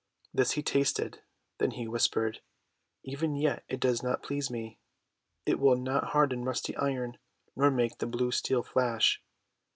This he tasted, then he whispered :— ;<Even yet it does not please me. It will not harden rusty Iron, nor make the blue Steel flash.'